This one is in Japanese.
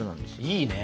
いいね。